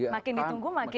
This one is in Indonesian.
makin ditunggu makin